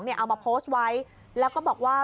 เอามาโพสต์ไว้แล้วก็บอกว่า